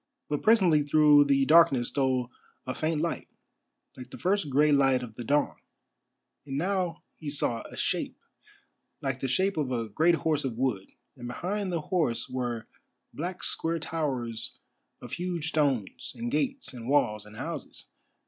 But presently through the darkness stole a faint light, like the first grey light of the dawn, and now he saw a shape, like the shape of a great horse of wood, and behind the horse were black square towers of huge stones, and gates, and walls, and houses.